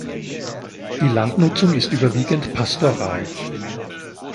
Die Landnutzung ist überwiegend pastoral.